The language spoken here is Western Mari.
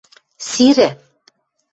– Сирӹ!